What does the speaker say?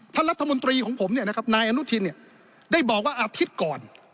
ท่านรัฐมนตรีของผมนายอนุทินได้บอกว่าอาทิตย์ก่อน